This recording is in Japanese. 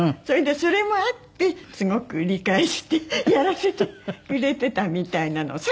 それでそれもあってすごく理解してやらせてくれてたみたいなの。